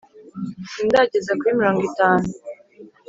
sindageza kuri mirongo itanu